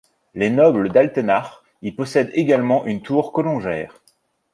Les nobles d'Altenach y possèdent également une cour colongère.